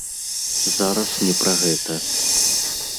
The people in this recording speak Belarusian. Зараз не пра гэта.